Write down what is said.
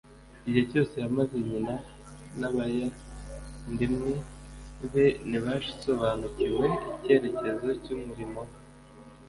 Igihe cyose yamaze nyina n'abayandimwe be ntibasobanukiwe icyerekezo cy'umurimo we.